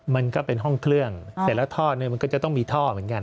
มันก็เป็นห้องเครื่องเสร็จแล้วท่อเนี่ยมันก็จะต้องมีท่อเหมือนกัน